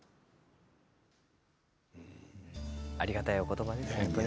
ありがたいお言葉です。